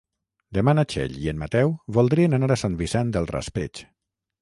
Demà na Txell i en Mateu voldrien anar a Sant Vicent del Raspeig.